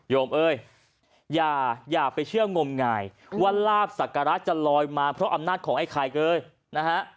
โยมเอ้ยอย่าอย่าไปเชื่องงมไงว่าลาบสักระจะลอยมาเพราะอำนาจของไอ้ไข่เกินเลยนะฮะ